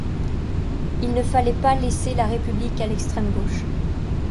Il ne fallait pas laisser la République à l'extrême gauche.